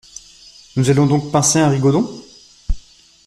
Nous allons donc pincer un rigodon ?…